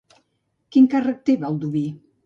Quin càrrec té Baldoví?